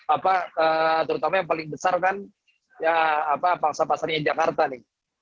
apa terutama yang paling besar kan ya apa pangsa pasarnya jakarta nih